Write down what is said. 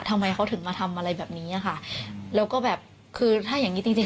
ทำไมเขาถึงมาทำอะไรแบบนี้อ่ะค่ะแล้วก็แบบคือถ้าอย่างงี้จริงจริง